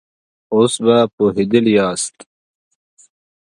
اوس به پوهېدلي ياست.